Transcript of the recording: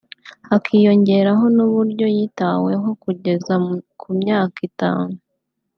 hakiyongeraho n’uburyo yitaweho kugeza ku myaka itanu